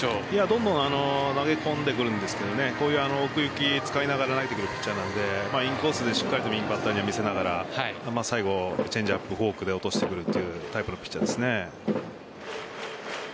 どんどん投げ込んでくるんですけどこういう奥行きを使いながら投げてくるピッチャーなのでインコースでしっかり右バッターに見せながら最後、チェンジアップフォークで落としてくるというタイプのピッチャーですね。